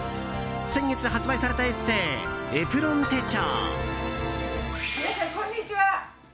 先月、発売されたエッセー「エプロン手帖」。